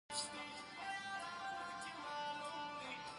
پسرلی د افغانستان په اوږده تاریخ کې ذکر شوی دی.